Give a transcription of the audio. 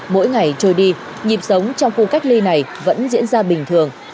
mỗi ngày trôi đi nhịp sống trong khu cách ly này vẫn diễn ra bình thường